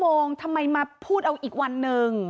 ลาออกจากหัวหน้าพรรคเพื่อไทยอย่างเดียวเนี่ย